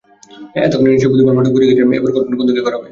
এতক্ষণে নিশ্চয়ই বুদ্ধিমান পাঠক বুঝে গেছেন, এবার ঘটনা কোন দিকে গড়াবে।